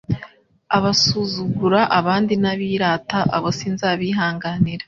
Abasuzugura abandi n’abirata abo sinzabihanganira